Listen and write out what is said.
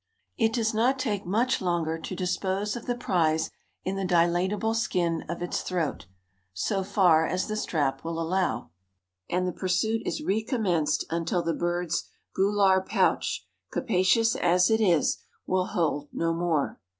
It does not take much longer to dispose of the prize in the dilatable skin of its throat so far as the strap will allow and the pursuit is recommenced until the bird's gular pouch, capacious as it is, will hold no more.